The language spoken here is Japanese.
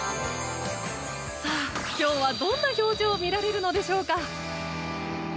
さあ、今日はどんな表情を見られるのでしょうか？